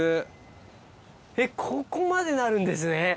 えっここまでなるんですね。